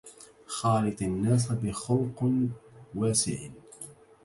خالط الناس بخلق واسع